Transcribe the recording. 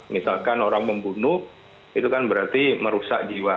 misalkan orang membunuh itu kan berarti merusak jiwa